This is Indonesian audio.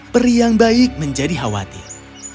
peri yang baik menjadi khawatir